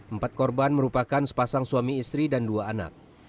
empat korban merupakan sepasang suami istri dan dua anak